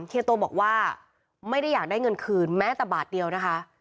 เฮียโตบอกว่าไม่ได้อยากได้เงินคืนแม้แต่บาทเดียวนะคะ